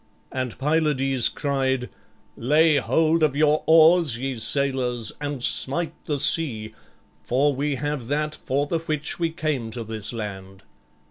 And Pylades cried, "Lay hold of your oars, ye sailors, and smite the sea, for we have that for the which we came to this land."